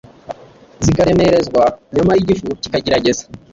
zikaremerezwa; nyamara igifu kikagerageza